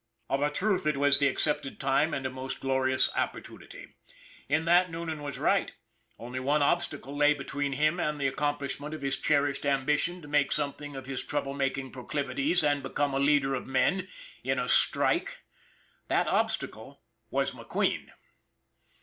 Of a truth it was the accepted time and a most glorious opportunity. In that, Noonan was right. Only one obstacle lay between him and the accom plishment of his cherished ambition to make some^ thing of his trouble hunting proclivities and become a leader of men in a strike. That obstacle was McQueen.